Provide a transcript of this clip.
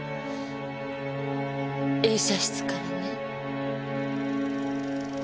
映写室からね。